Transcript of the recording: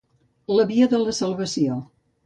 La via de la salvació.